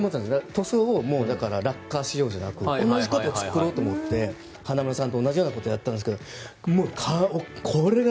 塗装をラッカー仕様じゃなく同じことを作ろうと思って花村さんと同じようなことをやったんですがもう、お金が。